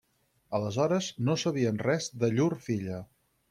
Aleshores no sabien res de llur filla.